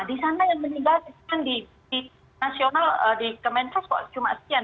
di sana yang meningkatkan di nasional di kementerian sosial pertama